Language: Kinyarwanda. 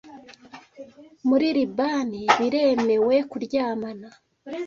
Muri Libani biremewe kuryamana